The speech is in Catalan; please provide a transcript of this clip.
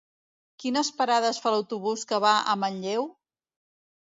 Quines parades fa l'autobús que va a Manlleu?